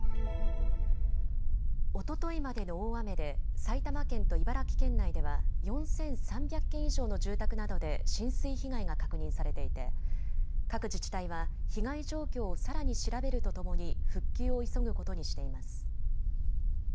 おとといまでの大雨で埼玉県と茨城県内では４３００件以上の住宅などで浸水被害が確認されていて各自治体は被害状況をさらに調べるとともに復旧を急ぐことにしています。